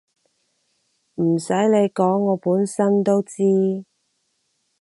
唔洗你講我本身都知